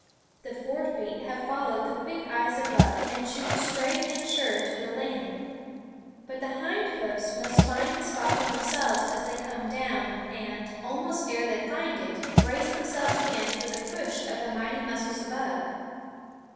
The fore feet have followed the quick eyes above, and shoot straight and sure to their landing ; but the hind hoofs must find the spot for themselves as they come down and, almost ere they find it, brace themselves again for the push of the mighty muscles above.